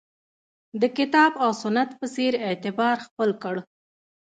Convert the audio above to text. د کتاب او سنت په څېر اعتبار خپل کړ